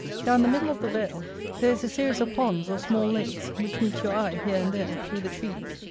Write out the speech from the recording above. Down the middle of the vale there is a series of ponds, or small lakes, which meet your eye, here and there, through the trees.